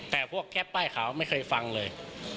แต่พวกแค่ป้ายขาวไม่เคยฟังเลย